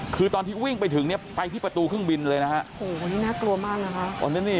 คือตอนที่วิ่งไปถึงเนี่ยไปที่ประตูเครื่องบินเลยนะฮะโอ้โหนี่น่ากลัวมากนะคะ